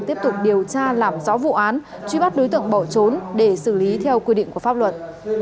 tiếp tục điều tra làm rõ vụ án truy bắt đối tượng bỏ trốn để xử lý theo quy định của pháp luật